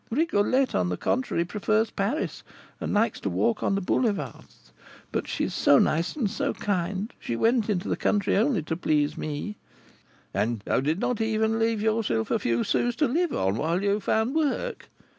Rigolette, on the contrary, prefers Paris, and likes to walk on the Boulevards; but she is so nice and so kind, she went into the country only to please me." "And you did not even leave yourself a few sous to live upon whilst you found work?"